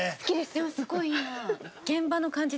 でもすごい今。